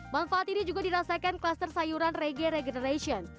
manfaat ini juga dirasakan kluster sayuran rege regeneration